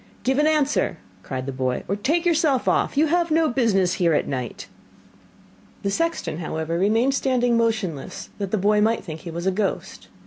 'Give an answer,' cried the boy, 'or take yourself off, you have no business here at night.' The sexton, however, remained standing motionless that the boy might think he was a ghost.